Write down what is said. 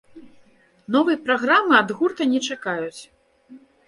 Новай праграмы ад гурта не чакаюць.